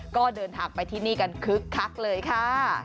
ก็เดินทางไปที่นี่กันคึกคักเลยค่ะ